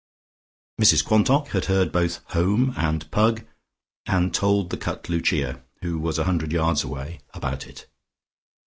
Mrs Quantock had heard both "Home" and Pug, and told the cut Lucia, who was a hundred yards away about it.